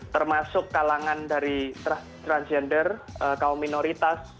termasuk kalangan dari transgender kaum minoritas